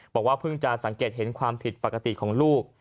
บอกว่าเพิ่งจะสังเกตเห็นความผิดปกติของลูก